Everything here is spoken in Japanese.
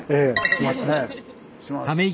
します。